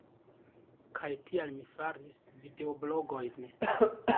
Kaj tial mi faris videoblogojn.